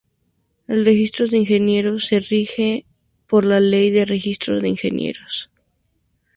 El registro de ingenieros se rige por la Ley de Registro de Ingenieros.